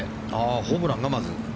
ホブランがまず。